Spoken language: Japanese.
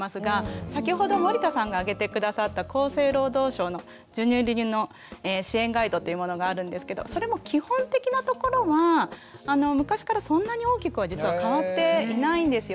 先ほど森田さんが挙げて下さった厚生労働省の「授乳・離乳の支援ガイド」というものがあるんですけどそれも基本的なところは昔からそんなに大きくは実は変わっていないんですよね。